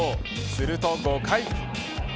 すると５回。